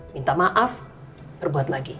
minta maaf berbuat lagi